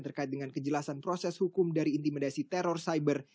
terkait dengan kejelasan proses hukum dari intimidasi teror cyber